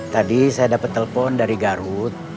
tadi saya dapat telepon dari garut